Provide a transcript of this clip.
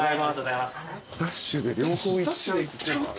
ダッシュで両方行っちゃう。